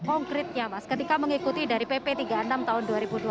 konkretnya mas ketika mengikuti dari pp tiga puluh enam tahun dua ribu dua puluh